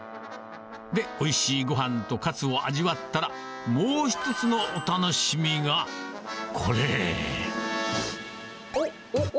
で、おいしいごはんとかつを味わったら、もう１つのお楽しみが、お！